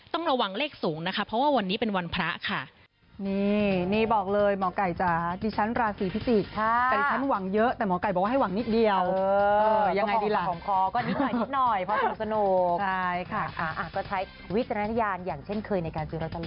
ต้องระวังเลขสูงนะคะเพราะว่าวันนี้เป็นวันพระค่ะ